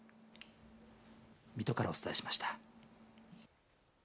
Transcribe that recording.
水戸からお伝えしました。